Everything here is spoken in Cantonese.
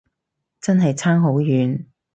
真係爭好遠